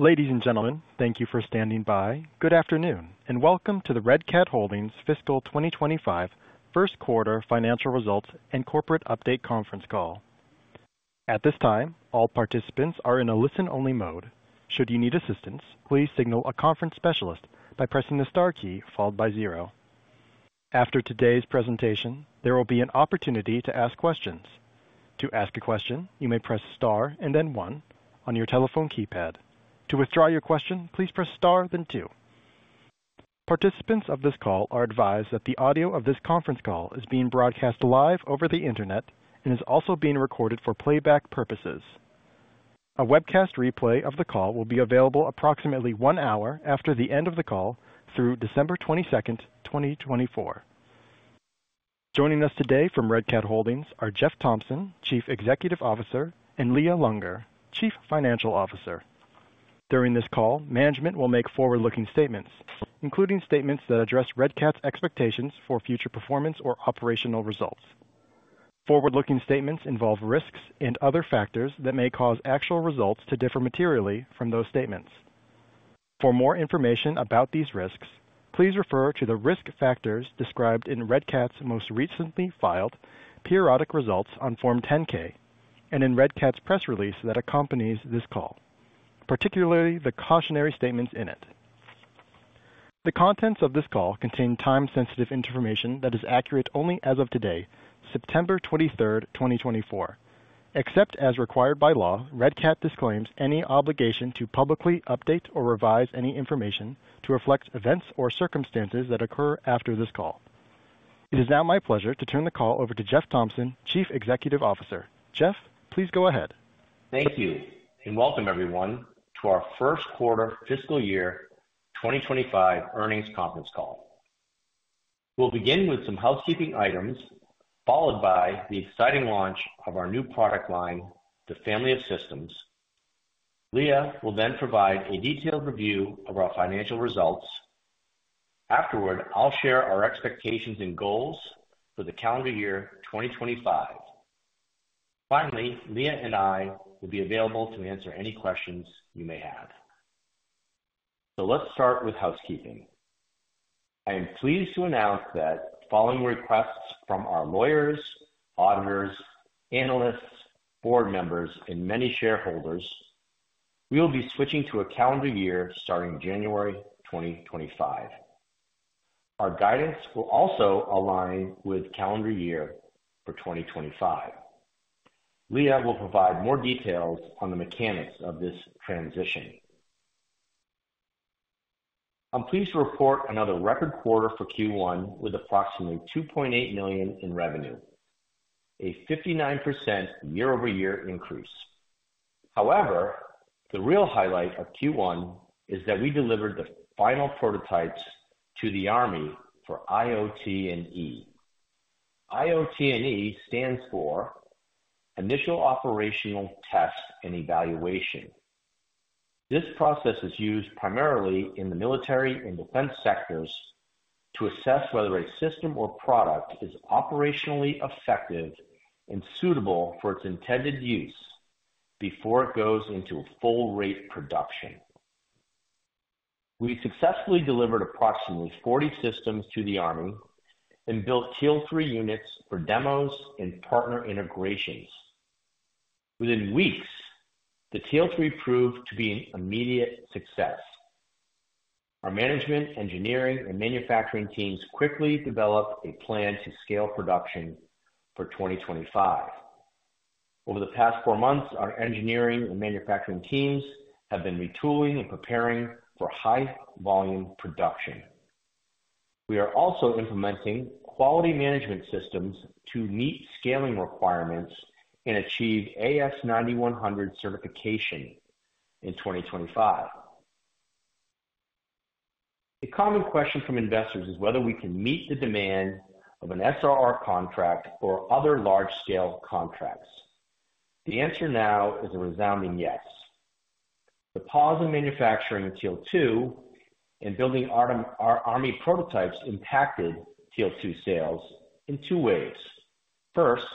Ladies and gentlemen, thank you for standing by. Good afternoon, and welcome to the Red Cat Holdings Fiscal 2025 First Quarter Financial Results and Corporate Update Conference Call. At this time, all participants are in a listen-only mode. Should you need assistance, please signal a conference specialist by pressing the star key followed by zero. After today's presentation, there will be an opportunity to ask questions. To ask a question, you may press Star and then one on your telephone keypad. To withdraw your question, please press Star then two. Participants of this call are advised that the audio of this conference call is being broadcast live over the Internet and is also being recorded for playback purposes. A webcast replay of the call will be available approximately one hour after the end of the call through December 22nd,2024. Joining us today from Red Cat Holdings are Jeff Thompson, Chief Executive Officer, and Leah Lunger, Chief Financial Officer. During this call, management will make forward-looking statements, including statements that address Red Cat's expectations for future performance or operational results. Forward-looking statements involve risks and other factors that may cause actual results to differ materially from those statements. For more information about these risks, please refer to the risk factors described in Red Cat's most recently filed periodic results on Form 10-K and in Red Cat's press release that accompanies this call, particularly the cautionary statements in it. The contents of this call contain time-sensitive information that is accurate only as of today, September 23rd, 2024. Except as required by law, Red Cat disclaims any obligation to publicly update or revise any information to reflect events or circumstances that occur after this call.It is now my pleasure to turn the call over to Jeff Thompson, Chief Executive Officer. Jeff, please go ahead. Thank you, and welcome everyone to our first quarter fiscal year 2025 earnings conference call. We'll begin with some housekeeping items, followed by the exciting launch of our new product line, the Family of Systems. Leah will then provide a detailed review of our financial results. Afterward, I'll share our expectations and goals for the calendar year 2025. Finally, Leah and I will be available to answer any questions you may have. So let's start with housekeeping. I am pleased to announce that following requests from our lawyers, auditors, analysts, board members, and many shareholders, we will be switching to a calendar year starting January 2025. Our guidance will also align with calendar year for 2025. Leah will provide more details on the mechanics of this transition. I'm pleased to report another record quarter for Q1 with approximately $2.8 million in revenue, a 59% year-over-year increase. However, the real highlight of Q1 is that we delivered the final prototypes to the Army for IOT&E. IOT&E stands for Initial Operational Test and Evaluation. This process is used primarily in the military and defense sectors to assess whether a system or product is operationally effective and suitable for its intended use before it goes into full rate production. We successfully delivered approximately 40 systems to the Army and built Teal 3 units for demos and partner integrations. Within weeks, the Teal 3 proved to be an immediate success. Our management, engineering, and manufacturing teams quickly developed a plan to scale production for 2025. Over the past four months, our engineering and manufacturing teams have been retooling and preparing for high volume production. We are also implementing quality management systems to meet scaling requirements and achieve AS9100 certification in 2025. A common question from investors is whether we can meet the demand of an SRR contract or other large-scale contracts. The answer now is a resounding yes. The pause in manufacturing Teal 2 and building our Army prototypes impacted Teal 2 sales in two ways. First,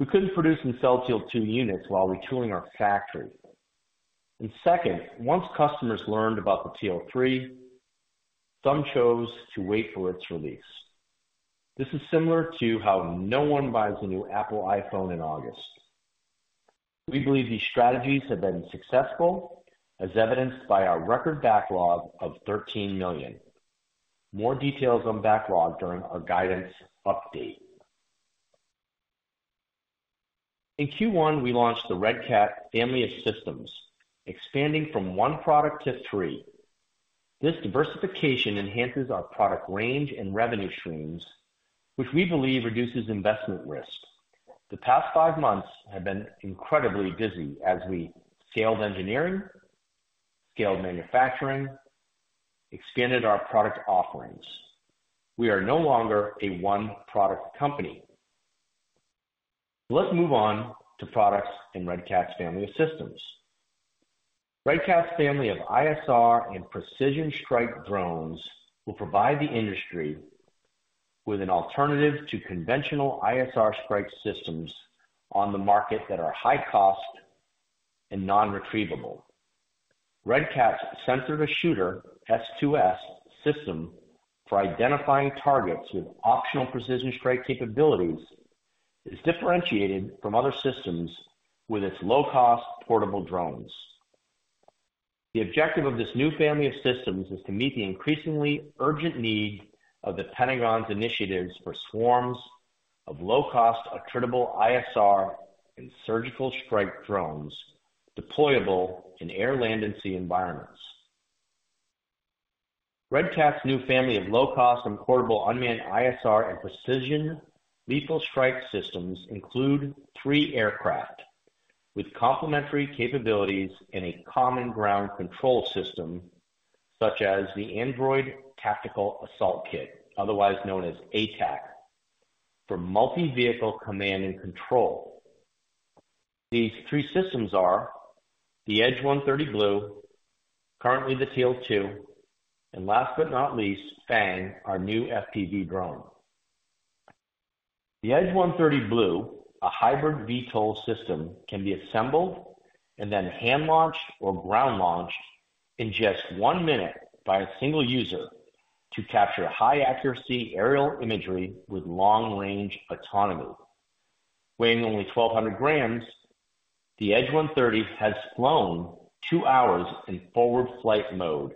we couldn't produce and sell Teal 2 units while retooling our factory. And second, once customers learned about the Teal 3, some chose to wait for its release. This is similar to how no one buys a new Apple iPhone in August. We believe these strategies have been successful, as evidenced by our record backlog of $13 million. More details on backlog during our guidance update. In Q1, we launched the Red Cat family of systems, expanding from one product to three. This diversification enhances our product range and revenue streams, which we believe reduces investment risk. The past five months have been incredibly busy as we scaled engineering, scaled manufacturing, expanded our product offerings. We are no longer a one-product company. Let's move on to products in Red Cat's family of systems. Red Cat's family of ISR and precision strike drones will provide the industry with with an alternative to conventional ISR strike systems on the market that are high cost and non-retrievable. Red Cat's sensor-to-shooter, S2S, system for identifying targets with optional precision strike capabilities is differentiated from other systems with its low-cost, portable drones. The objective of this new family of systems is to meet the increasingly urgent need of the Pentagon's initiatives for swarms of low-cost, attritable ISR, and surgical strike drones deployable in air, land, and sea environments. Red Cat's new family of low-cost and portable unmanned ISR and precision lethal strike systems include three aircraft with complementary capabilities and a common ground control system, such as the Android Tactical Assault Kit, otherwise known as ATAK, for multi-vehicle command and control. These three systems are: the Edge 130 Blue, the Teal 2, and last but not least, Fang, our new FPV drone. The Edge 130 Blue, a hybrid VTOL system, can be assembled and then hand-launched or ground-launched in just one minute by a single user to capture high-accuracy aerial imagery with long-range autonomy. Weighing only 1,200 g, the Edge 130 has flown two hours in forward flight mode,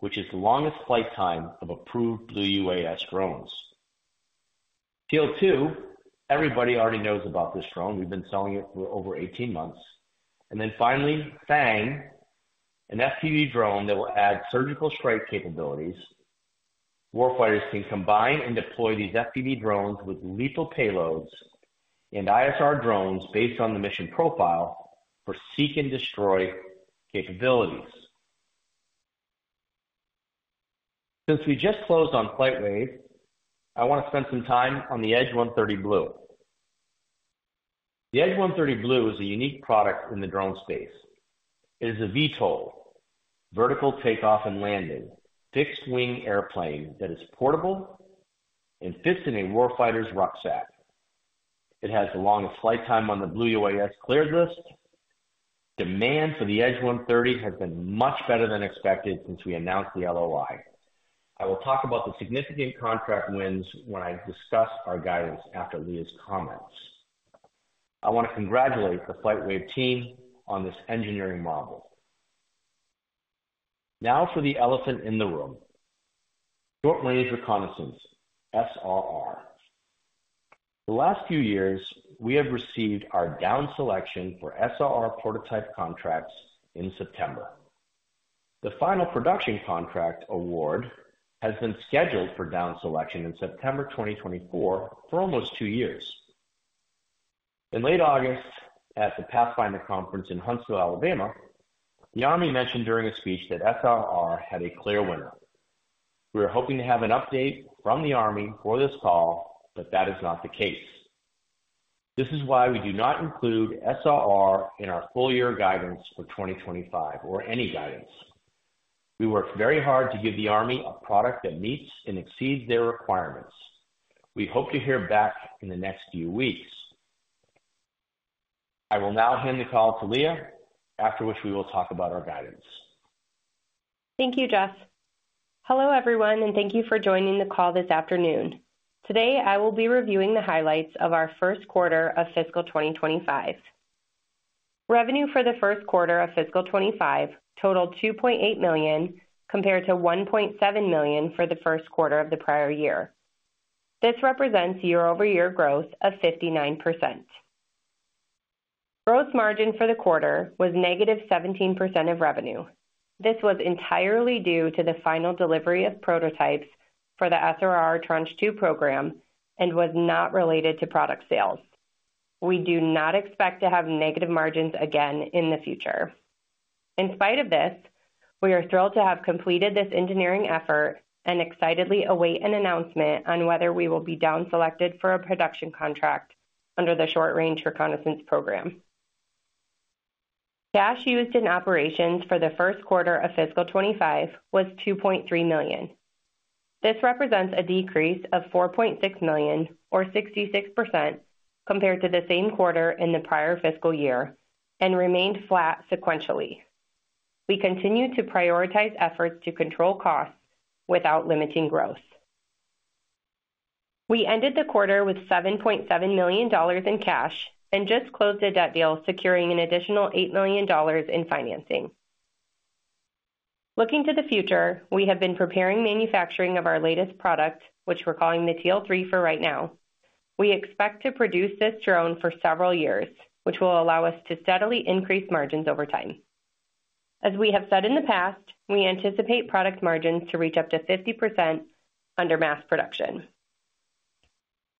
which is the longest flight time of approved Blue UAS drones. Teal 2, everybody already knows about this drone. We've been selling it for over 18 months, and then finally, Fang, an FPV drone that will add surgical strike capabilities. Warfighters can combine and deploy these FPV drones with lethal payloads and ISR drones based on the mission profile for seek and destroy capabilities. Since we just closed on FlightWave, I wanna spend some time on the Edge 130 Blue. The Edge 130 Blue is a unique product in the drone space. It is a VTOL, vertical takeoff and landing, fixed-wing airplane that is portable and fits in a warfighter's rucksack. It has the longest flight time on the Blue UAS cleared list. Demand for the Edge 130 has been much better than expected since we announced the LOI. I will talk about the significant contract wins when I discuss our guidance after Leah's comments. I want to congratulate the FlightWave team on this engineering marvel. Now for the elephant in the room, short-range reconnaissance, SRR. The last few years, we have received our down selection for SRR prototype contracts in September.The final production contract award has been scheduled for down selection in September 2024, for almost two years. In late August, at the Pathfinder Conference in Huntsville, Alabama, the Army mentioned during a speech that SRR had a clear winner. We were hoping to have an update from the Army for this call, but that is not the case. This is why we do not include SRR in our full year guidance for 2025 or any guidance. We worked very hard to give the Army a product that meets and exceeds their requirements. We hope to hear back in the next few weeks. I will now hand the call to Leah, after which we will talk about our guidance. Thank you, Jeff. Hello, everyone, and thank you for joining the call this afternoon. Today, I will be reviewing the highlights of our first quarter of fiscal 2025. Revenue for the first quarter of fiscal 2025 totaled $2.8 million, compared to $1.7 million for the first quarter of the prior year. This represents year-over-year growth of 59%. Gross margin for the quarter was negative 17% of revenue. This was entirely due to the final delivery of prototypes for the SRR Tranche 2 program and was not related to product sales. We do not expect to have negative margins again in the future. In spite of this, we are thrilled to have completed this engineering effort and excitedly await an announcement on whether we will be downselected for a production contract under the Short-Range Reconnaissance Program.Cash used in operations for the first quarter of fiscal 2025 was $2.3 million. This represents a decrease of $4.6 million or 66% compared to the same quarter in the prior fiscal year and remained flat sequentially. We continue to prioritize efforts to control costs without limiting growth. We ended the quarter with $7.7 million in cash and just closed a debt deal, securing an additional $8 million in financing. Looking to the future, we have been preparing manufacturing of our latest product, which we're calling the Teal 3 for right now. We expect to produce this drone for several years, which will allow us to steadily increase margins over time. As we have said in the past, we anticipate product margins to reach up to 50% under mass production.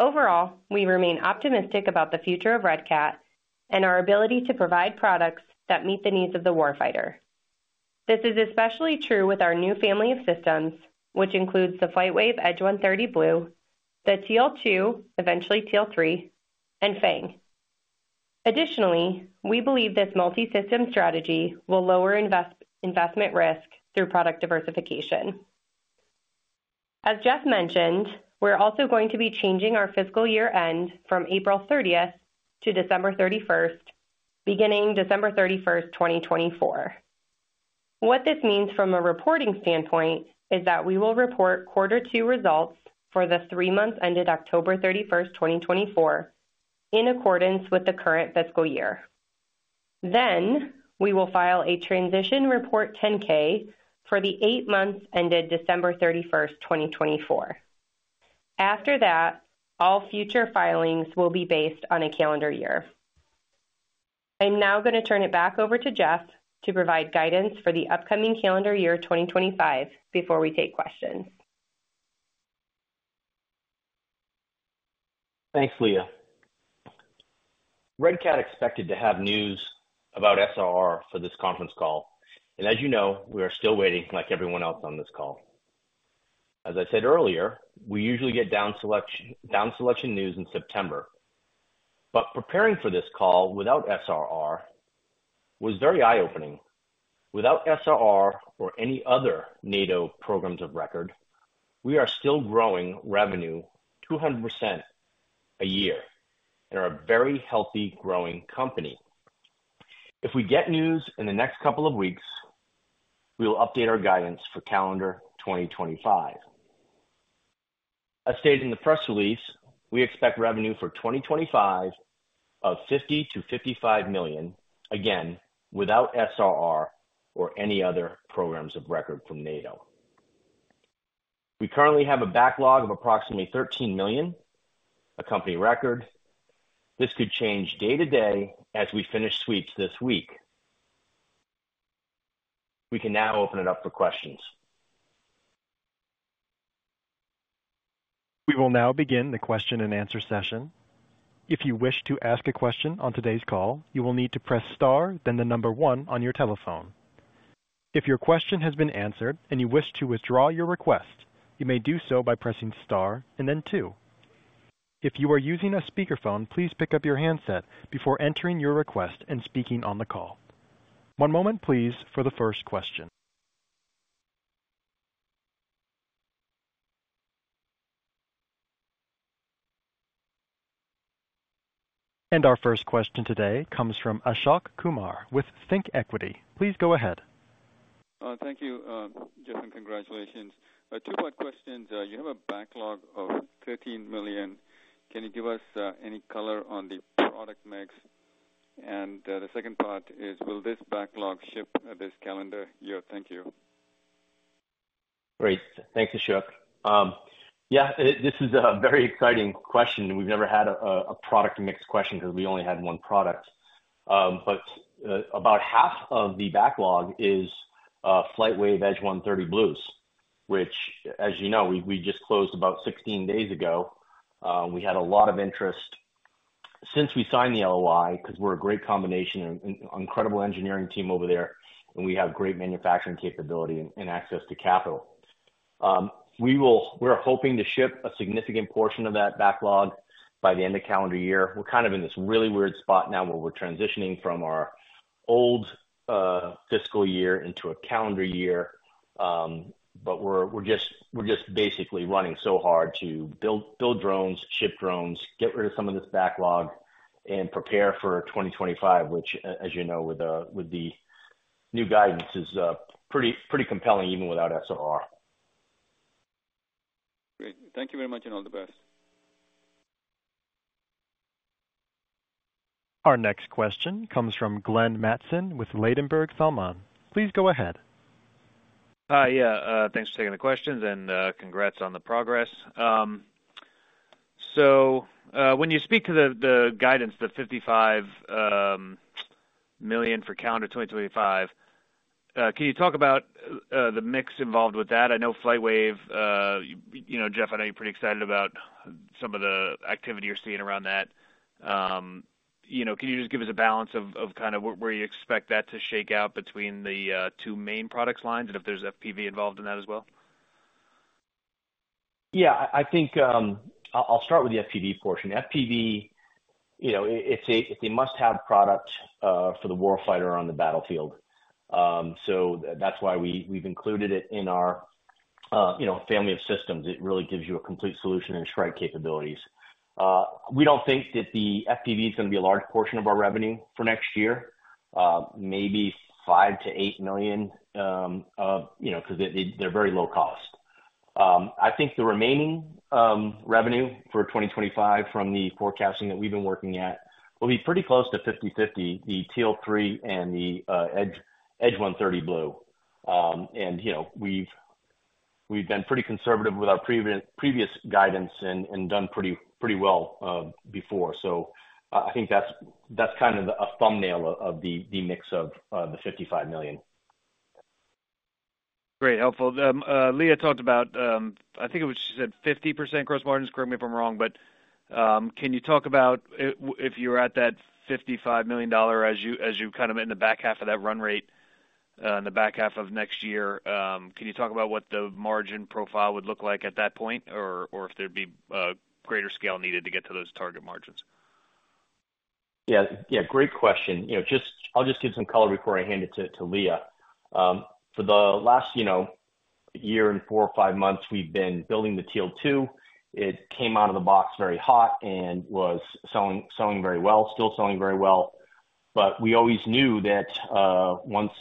Overall, we remain optimistic about the future of Red Cat and our ability to provide products that meet the needs of the warfighter. This is especially true with our new family of systems, which includes the FlightWave Edge 130 Blue, the Teal 2, eventually Teal 3, and Fang. Additionally, we believe this multi-system strategy will lower investment risk through product diversification. As Jeff mentioned, we're also going to be changing our fiscal year-end from April thirtieth to December 31st, beginning December 31st, 2024. What this means from a reporting standpoint is that we will report quarter two results for the three months ended October 31st, 2024, in accordance with the current fiscal year. Then we will file a transition report, 10-K, for the eight months ended December 31st, 2024. After that, all future filings will be based on a calendar year. I'm now going to turn it back over to Jeff to provide guidance for the upcoming calendar year, 2025, before we take questions. Thanks, Leah. Red Cat expected to have news about SRR for this conference call, and as you know, we are still waiting like everyone else on this call. As I said earlier, we usually get down selection news in September, but preparing for this call without SRR was very eye-opening. Without SRR or any other NATO programs of record, we are still growing revenue 200% a year and are a very healthy, growing company. If we get news in the next couple of weeks, we will update our guidance for calendar 2025. As stated in the press release, we expect revenue for 2025 of $50 million-$55 million, again, without SRR or any other programs of record from NATO. We currently have a backlog of approximately $13 million, a company record. This could change day to day as we finish sweeps this week. We can now open it up for questions. We will now begin the question and answer session. If you wish to ask a question on today's call, you will need to press star, then the number one on your telephone. If your question has been answered and you wish to withdraw your request, you may do so by pressing star and then two. If you are using a speakerphone, please pick up your handset before entering your request and speaking on the call. One moment, please, for the first question. Our first question today comes from Ashok Kumar with ThinkEquity. Please go ahead. Thank you, Jeff, and congratulations. Two-part questions. You have a backlog of $13 million. Can you give us any color on the product mix? And the second part is, will this backlog ship this calendar year? Thank you. Great. Thanks, Ashok. Yeah, this is a very exciting question. We've never had a product mix question because we only had one product. But about half of the backlog is FlightWave Edge 130 Blues, which, as you know, we just closed about 16 days ago. We had a lot of interest since we signed the LOI, because we're a great combination and incredible engineering team over there, and we have great manufacturing capability and access to capital. We will. We're hoping to ship a significant portion of that backlog by the end of calendar year. We're kind of in this really weird spot now where we're transitioning from our old fiscal year into a calendar year. But we're just basically running so hard to build drones, ship drones, get rid of some of this backlog, and prepare for 2025, which, as you know, with the new guidance, is pretty compelling, even without SRR. Great. Thank you very much, and all the best. Our next question comes from Glenn Mattson with Ladenburg Thalmann. Please go ahead. Hi. Yeah, thanks for taking the questions, and, congrats on the progress. So, when you speak to the guidance, the $55 million for calendar 2025, can you talk about the mix involved with that? I know FlightWave, you know, Jeff, I know you're pretty excited about some of the activity you're seeing around that. You know, can you just give us a balance of kind of where you expect that to shake out between the two main product lines and if there's FPV involved in that as well? Yeah. I think I'll start with the FPV portion. FPV, you know, it's a must-have product for the warfighter on the battlefield. So that's why we, we've included it in our, you know, Family of Systems. It really gives you a complete solution and strike capabilities. We don't think that the FPV is going to be a large portion of our revenue for next year. Maybe $5 million-$8 million, you know, because they're very low cost. I think the remaining revenue for 2025 from the forecasting that we've been working at will be pretty close to 50/50, the Teal 3 and the Edge 130 Blue. And, you know, we've been pretty conservative with our previous guidance and done pretty well before.I think that's kind of a thumbnail of the mix of the $55 million. Great, helpful. Leah talked about, I think it was, she said 50% gross margins. Correct me if I'm wrong, but can you talk about if you were at that $55 million as you kind of in the back half of that run rate? In the back half of next year, can you talk about what the margin profile would look like at that point, or if there'd be greater scale needed to get to those target margins? Yeah, yeah, great question. You know, just, I'll just give some color before I hand it to Leah. For the last, you know, year and four or five months, we've been building the Teal 2. It came out of the box very hot and was selling very well, still selling very well. But we always knew that once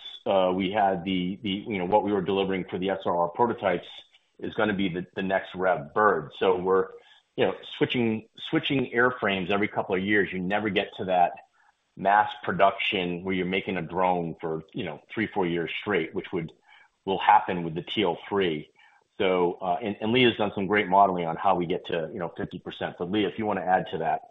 we had the, you know, what we were delivering for the SRR prototypes is gonna be the next rev bird. So we're, you know, switching airframes every couple of years, you never get to that mass production where you're making a drone for, you know, three, four years straight, which will happen with the Teal 3. So, and Leah has done some great modeling on how we get to, you know, 50%. So, Leah, if you wanna add to that.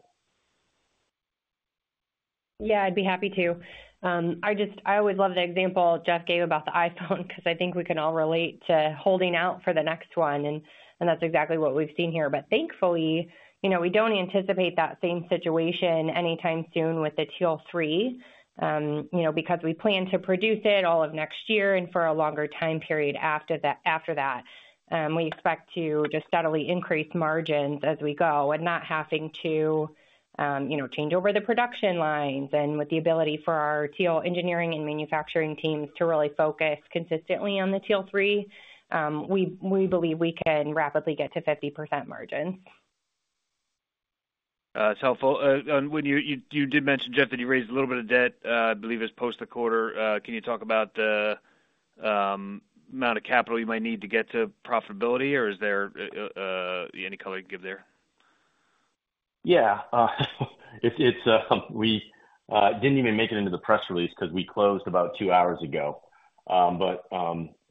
Yeah, I'd be happy to. I always love the example Jeff gave about the iPhone because I think we can all relate to holding out for the next one, and that's exactly what we've seen here. But thankfully, you know, we don't anticipate that same situation anytime soon with the Teal 3. You know, because we plan to produce it all of next year and for a longer time period after that. We expect to just steadily increase margins as we go and not having to, you know, change over the production lines. And with the ability for our Teal engineering and manufacturing teams to really focus consistently on the Teal 3, we believe we can rapidly get to 50% margins. It's helpful, and when you did mention, Jeff, that you raised a little bit of debt, I believe it's post a quarter. Can you talk about the amount of capital you might need to get to profitability? Or is there any color you can give there? Yeah. It's. We didn't even make it into the press release because we closed about two hours ago. But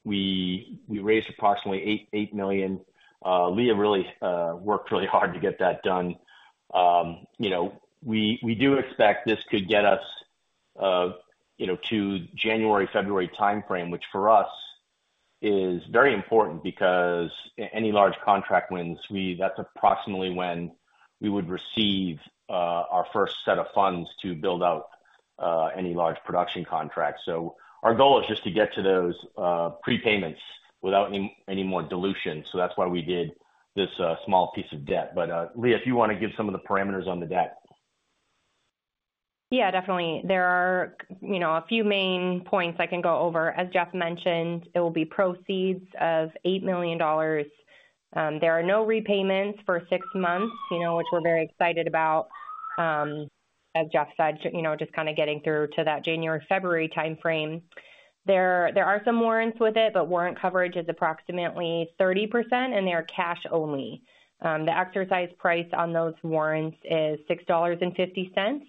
we raised approximately $8 million. Leah really worked really hard to get that done. You know, we do expect this could get us, you know, to January, February timeframe, which for us is very important because any large contract wins. That's approximately when we would receive our first set of funds to build out any large production contract. So our goal is just to get to those prepayments without any more dilution. So that's why we did this small piece of debt. But Leah, if you wanna give some of the parameters on the debt. Yeah, definitely. There are, you know, a few main points I can go over. As Jeff mentioned, it will be proceeds of $8 million. There are no repayments for six months, you know, which we're very excited about. As Jeff said, you know, just kind of getting through to that January, February timeframe. There are some warrants with it, but warrant coverage is approximately 30%, and they are cash only. The exercise price on those warrants is $6.50.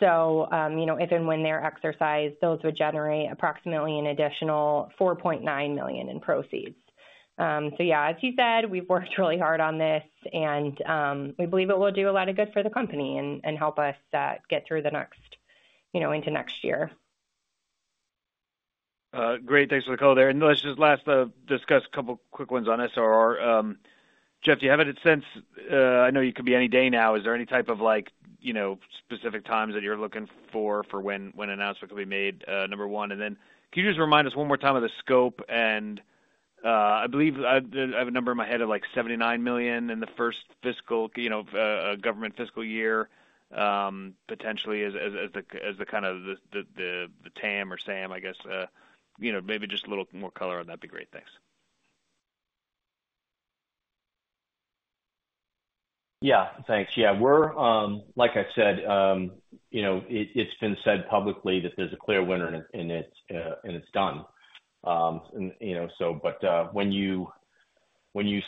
So, you know, if and when they're exercised, those would generate approximately an additional $4.9 million in proceeds. So yeah, as you said, we've worked really hard on this, and we believe it will do a lot of good for the company and help us get through the next, you know, into next year. Great. Thanks for the call there. And let's just last discuss a couple quick ones on SRR. Jeff, do you have any sense since I know you could be any day now, is there any type of like, you know, specific times that you're looking for, for when an announcement will be made, number one? And then, can you just remind us one more time of the scope? And, I believe I have a number in my head of, like, $79 million in the first fiscal, you know, government fiscal year, potentially as the kind of the TAM or SAM, I guess, you know, maybe just a little more color on that be great. Thanks. Yeah, thanks. Yeah, we're like I said, you know, it's been said publicly that there's a clear winner and it's done. And, you know, so but when you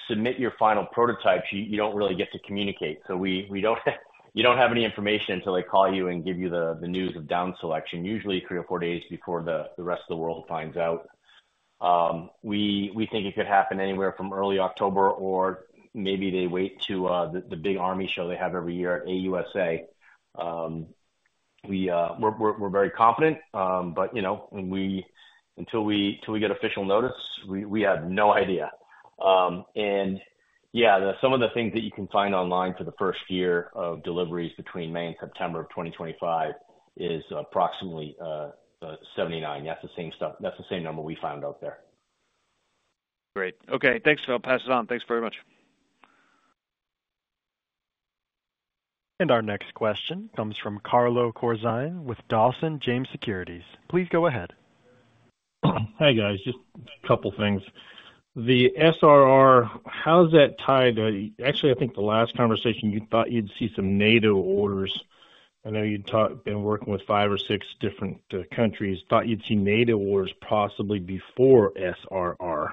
submit your final prototypes, you don't really get to communicate. So we don't, you don't have any information until they call you and give you the news of down selection, usually three or four days before the rest of the world finds out. We think it could happen anywhere from early October, or maybe they wait to the big army show they have every year at AUSA. We're very confident. But, you know, until we till we get official notice, we have no idea. And yeah, some of the things that you can find online for the first year of deliveries between May and September of 2025 is approximately 79. That's the same stuff - that's the same number we found out there. Great. Okay, thanks. I'll pass it on. Thanks very much. And our next question comes from Carlo Corzine with Dawson James Securities. Please go ahead. Hi, guys. Just a couple things. The SRR, how's that tied? Actually, I think the last conversation, you thought you'd see some NATO orders. I know you'd been working with five or six different countries, thought you'd see NATO orders possibly before SRR.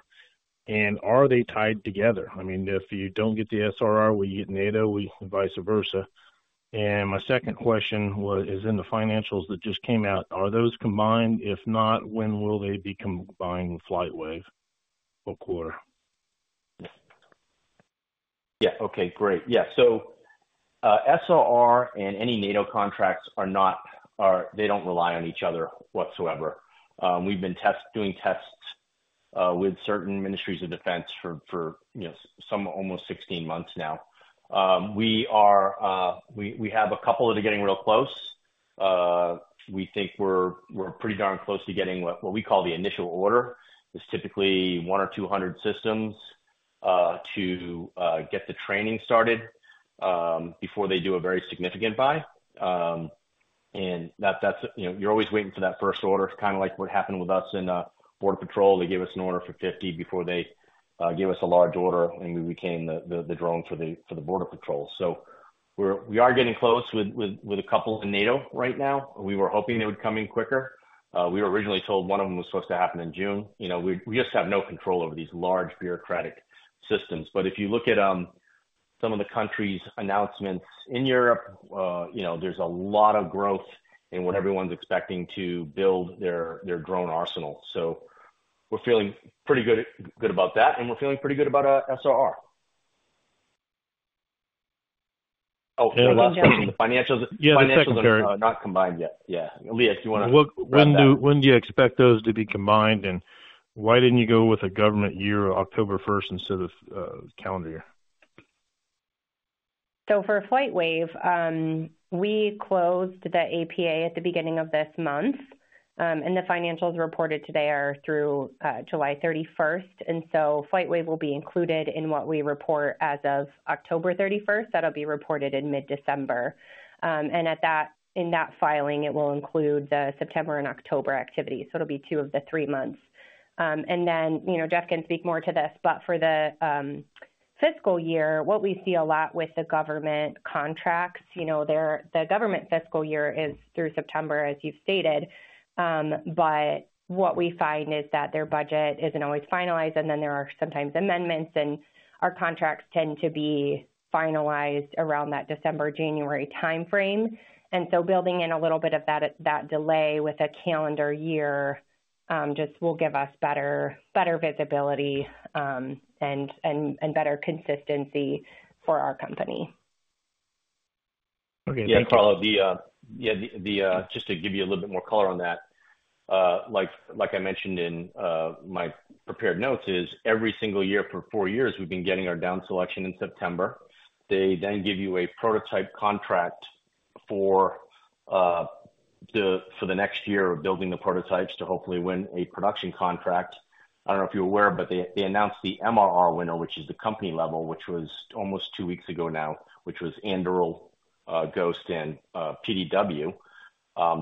And are they tied together? I mean, if you don't get the SRR, will you get NATO, or vice versa? And my second question was, is in the financials that just came out, are those combined? If not, when will they be combined with FlightWave or core? Yeah. Okay, great. Yeah, so, SRR and any NATO contracts are not, they don't rely on each other whatsoever. We've been doing tests with certain ministries of defense for, you know, some almost 16 months now. We have a couple that are getting real close. We think we're pretty darn close to getting what we call the initial order. It's typically one or two hundred systems to get the training started before they do a very significant buy. And that, you know, you're always waiting for that first order. It's kind of like what happened with us in border patrol. They gave us an order for 50 before they gave us a large order, and we became the drone for the border patrol. So we are getting close with a couple in NATO right now. We were hoping they would come in quicker. We were originally told one of them was supposed to happen in June. You know, we just have no control over these large bureaucratic systems. But if you look at some of the countries' announcements in Europe, you know, there's a lot of growth in what everyone's expecting to build their drone arsenal. So we're feeling pretty good about that, and we're feeling pretty good about SRR. Oh, the financials- Yeah. The financials are not combined yet. Yeah. Leah, do you wanna run that? When do you expect those to be combined, and why didn't you go with a government year, October first, instead of calendar year? So for FlightWave, we closed the APA at the beginning of this month, and the financials reported today are through July 31st. And so FlightWave will be included in what we report as of October 31st. That'll be reported in mid-December. And in that filing, it will include the September and October activity, so it'll be two of the three months. And then, you know, Jeff can speak more to this, but for the fiscal year, what we see a lot with the government contracts, you know, the government fiscal year is through September, as you've stated. But what we find is that their budget isn't always finalized, and then there are sometimes amendments, and our contracts tend to be finalized around that December-January time frame. So building in a little bit of that delay with a calendar year just will give us better visibility and better consistency for our company. Okay, thank you. Yeah, Carlo, yeah, the, just to give you a little bit more color on that, like I mentioned in my prepared notes, every single year for four years, we've been getting our down selection in September. They then give you a prototype contract for the next year of building the prototypes to hopefully win a production contract. I don't know if you're aware, but they announced the MRR winner, which is the company level, which was almost two weeks ago now, which was Anduril, Ghost and PDW.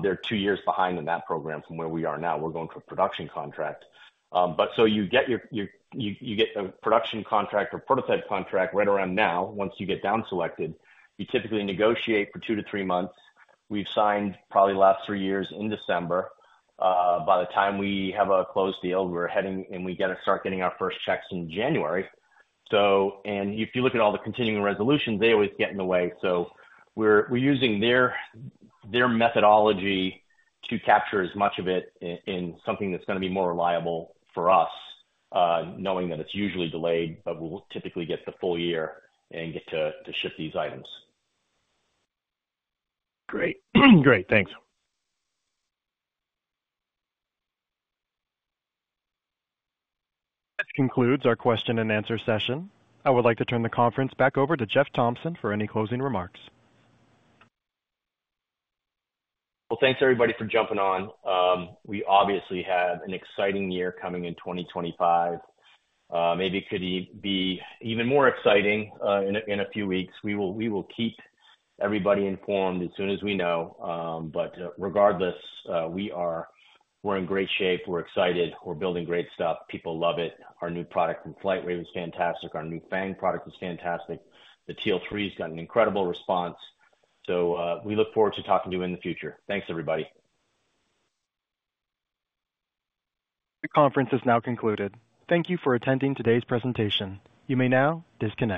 They're two years behind in that program from where we are now. We're going for a production contract. But so you get your, you get a production contract or prototype contract right around now. Once you get down selected, you typically negotiate for two to three months. We've signed probably the last three years in December. By the time we have a closed deal, we're heading, and we get to start getting our first checks in January. So, and if you look at all the continuing resolutions, they always get in the way. So we're using their methodology to capture as much of it in something that's gonna be more reliable for us, knowing that it's usually delayed, but we'll typically get the full year and get to ship these items. Great. Great. Thanks. This concludes our question and answer session. I would like to turn the conference back over to Jeff Thompson for any closing remarks. Thanks, everybody, for jumping on. We obviously have an exciting year coming in 2025. Maybe it could be even more exciting in a few weeks. We will keep everybody informed as soon as we know. But regardless, we're in great shape. We're excited. We're building great stuff. People love it. Our new product from FlightWave is fantastic. Our new Fang product is fantastic. The Teal 3's got an incredible response. So we look forward to talking to you in the future. Thanks, everybody. The conference is now concluded. Thank you for attending today's presentation. You may now disconnect.